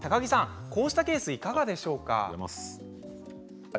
こうしたケースいかがでしょうか。